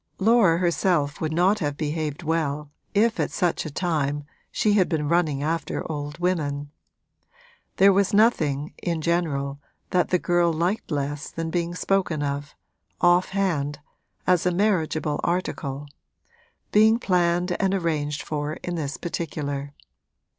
Laura herself would not have behaved well if at such a time she had been running after old women. There was nothing, in general, that the girl liked less than being spoken of, off hand, as a marriageable article being planned and arranged for in this particular.